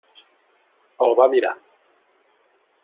El va mirar.